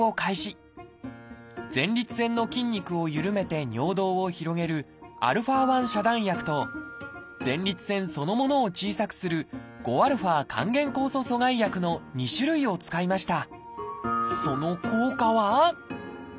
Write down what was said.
前立腺の筋肉をゆるめて尿道を広げるα遮断薬と前立腺そのものを小さくする５α還元酵素阻害薬の２種類を使いました。